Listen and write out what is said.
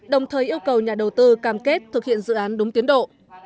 đồng thời yêu cầu nhà đầu tư cam kết thực hiện dự án đúng tiến độ